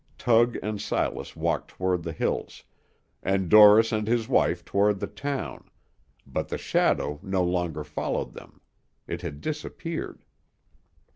Tug and Silas walked toward the hills, and Dorris and his wife toward the town, but the shadow no longer followed them; it had disappeared.